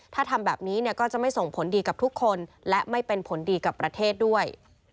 ถ้าทำแบบนี้ก็จะไม่ส่งผลดีกับทุกคนและไม่เป็นผลดีกับประเทศด้วย